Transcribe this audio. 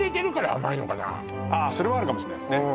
あそれはあるかもしれないっすね